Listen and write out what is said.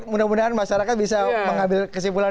mudah mudahan masyarakat bisa mengambil kesimpulan